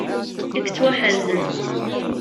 I yettwaḥerzen.